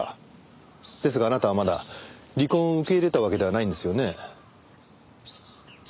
ですがあなたはまだ離婚を受け入れたわけではないんですよね？